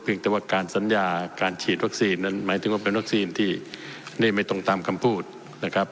แต่ว่าการสัญญาการฉีดวัคซีนนั้นหมายถึงว่าเป็นวัคซีนที่นี่ไม่ตรงตามคำพูดนะครับ